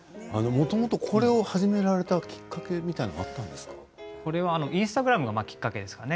もともとこれを始められたきっかけみたいなものはインスタグラムがきっかけですかね。